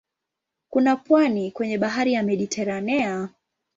Kuna pwani kwenye bahari ya Mediteranea.